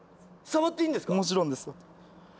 もちろんです。